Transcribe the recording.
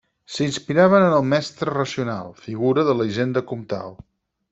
S'inspiraven en el mestre racional, figura de la hisenda comtal.